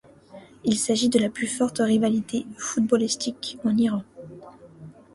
Il s'agit de la plus forte rivalité footballistique en Iran.